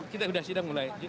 kita sudah sidang mulai